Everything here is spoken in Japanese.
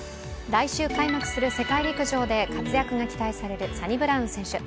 来週開幕する世界陸上で活躍が期待されるサニブラウン選手。